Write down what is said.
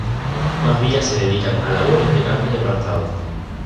Más vías se dedican a labores de carga y apartado.